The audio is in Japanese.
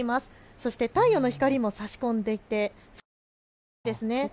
そして太陽の光も差し込んでいて空はとてもきれいです。